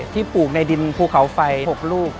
ปลูกในดินภูเขาไฟ๖ลูก